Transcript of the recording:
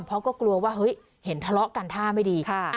เพราะก็กลัวว่าเฮ้ยเห็นทะเลาะกันท่าไม่ดี